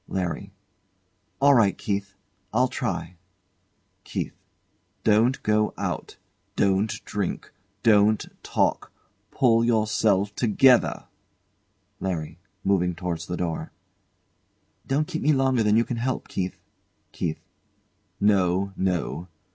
LARRY. All right, Keith; I'll try. KEITH. Don't go out. Don't drink. Don't talk. Pull yourself together! LARRY. [Moving towards the door] Don't keep me longer than you can help, Keith. KEITH. No, no.